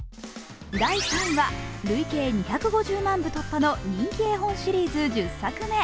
第３位は累計２５０万部突破の人気絵本シリーズ１０作目。